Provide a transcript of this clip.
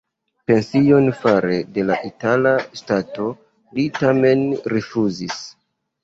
Pension fare de la itala ŝtato li tamen rifŭzis.